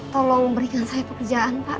tolong berikan saya pekerjaan pak